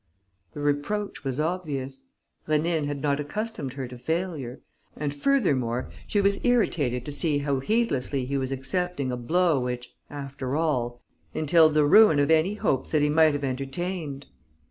The reproach was obvious. Rénine had not accustomed her to failure. And furthermore she was irritated to see how heedlessly he was accepting a blow which, after all, entailed the ruin of any hopes that he might have entertained.